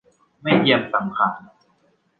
ไม่เจียมสังขาร